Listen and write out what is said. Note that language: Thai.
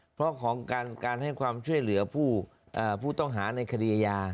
เพราะของการให้ความช่วยเหลือผู้ต้องหาในคดีอาญา